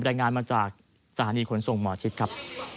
รายงานมาจากสถานีขนส่งหมอชิดครับ